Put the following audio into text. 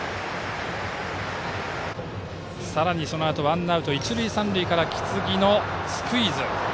さらに、そのあとワンアウト一塁三塁から木次のスクイズ。